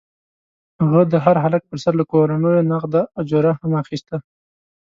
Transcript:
هغه د هر هلک پر سر له کورنیو نغده اجوره هم اخیسته.